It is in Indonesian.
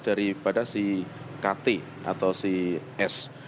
daripada si kt atau si s